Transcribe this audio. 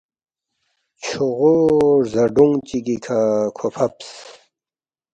“ چھوغو رزاڈُونگ چِگی کھہ کھو فبس